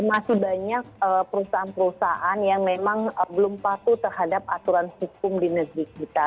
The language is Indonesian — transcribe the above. masih banyak perusahaan perusahaan yang memang belum patuh terhadap aturan hukum di negeri kita